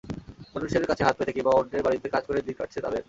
মানুষের কাছে হাত পেতে কিংবা অন্যের বাড়িতে কাজ করে দিন কাটছে তাঁদের।